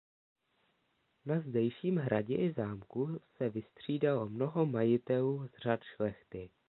Na zdejším hradě i zámku se vystřídalo mnoho majitelů z řad šlechty.